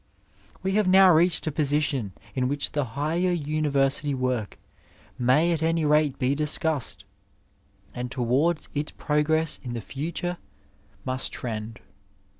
We have now reached a position in which the higher university work may at any rate be discoflsed, and towards its progress in the fatore must trend.